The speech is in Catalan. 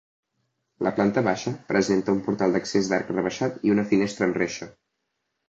La planta baixa presenta un portal d'accés d'arc rebaixat i una finestra amb reixa.